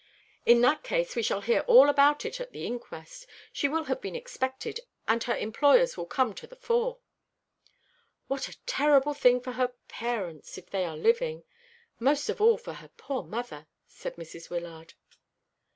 "In that case we shall hear all about her at the inquest. She will have been expected, and her employers will come to the fore." "What a terrible thing for her parents, if they are living; most of all for her poor mother!" said Mrs. Wyllard.